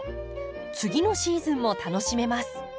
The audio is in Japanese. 次のシーズンも楽しめます。